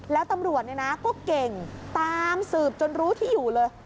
แล้วตำรวจเนี่ยนะก็เก่งตามสืบจนรู้ที่อยู่เลย